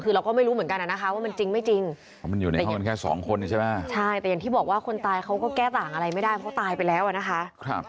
คือเราก็ไม่รู้เหมือนกันนะนะคะว่ามันจริงไม่จริงแต่อย่างที่บอกว่าคนตายเขาก็แก้ต่างอะไรไม่ได้เขาตายไปแล้วอ่ะนะคะ